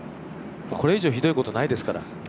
これ以上ひどいことないですから。